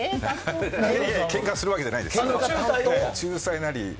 ケンカするわけじゃないですよ。